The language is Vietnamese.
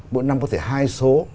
mỗi năm có thể hai số